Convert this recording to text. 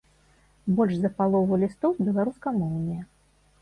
Больш за палову лістоў беларускамоўныя.